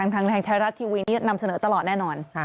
ทางไทยรัฐทีวีนี้นำเสนอตลอดแน่นอน